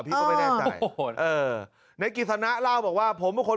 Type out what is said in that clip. พี่ก็ไม่แน่มงใจโอ้โหเออในกิจสนะล่าวบอกว่าผมก็คน